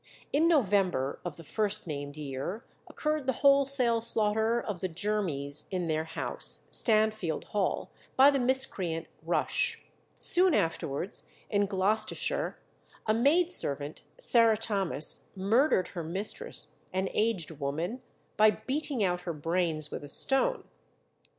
In November of the first named year occurred the wholesale slaughter of the Jermys in their house, Stanfield Hall, by the miscreant Rush. Soon afterwards, in Gloucestershire, a maidservant, Sarah Thomas, murdered her mistress, an aged woman, by beating out her brains with a stone.